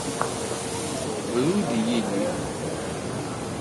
Bru-d i yilli!